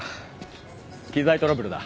機材トラブルだ。